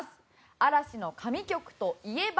「嵐の神曲といえば？」